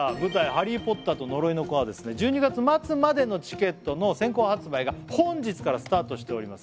「ハリー・ポッターと呪いの子」はですね１２月末までのチケットの先行発売が本日からスタートしております